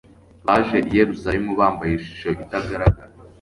Baje i Yerusalemu bambaye ishusho itagaragara,